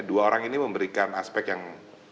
dua orang ini memberikan aspek yang